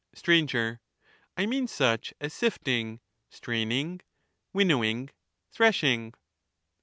5/r. I mean such as sifting, straining, winnowing, threshing